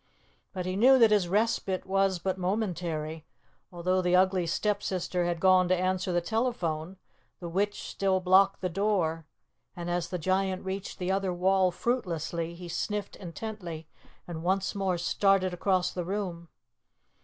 But he knew that his respite was but momentary. Although the Ugly Stepsister had gone to answer the telephone, the Witch still blocked the door, and as the Giant reached the other wall fruitlessly, he sniffed intently and once more started across the room.